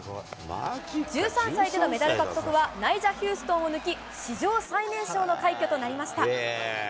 １３歳でのメダル獲得は、ナイジャ・ヒューストンを抜き、史上最年少の快挙となりました。